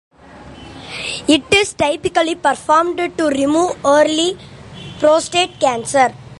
It is typically performed to remove early prostate cancer.